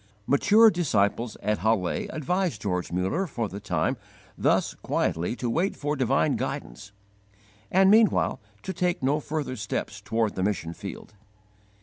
Mature disciples at Halle advised George Muller for the time thus quietly to wait for divine guidance, and meanwhile to take no further steps toward the mission field.